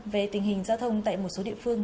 về tình hình giao thông tại một số địa phương